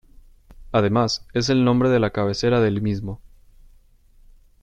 Además, es el nombre de la cabecera del mismo.